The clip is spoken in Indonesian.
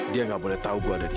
dia gak boleh tahu gue ada di sini